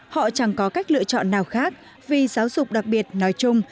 họ chẳng có cách lựa chọn nào khác vì giáo dục đặc biệt nói chung